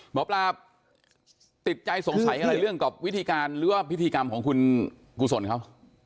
หมอปลาติดใจสงสัยอะไรเรื่องกับวิธีการหรือว่าพิธีกรรมของคุณกุศลเขา